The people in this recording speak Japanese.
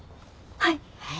はい。